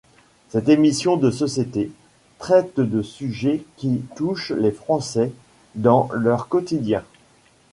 Cette émission de société, traite de sujets qui touchent les français dans leur quotidien.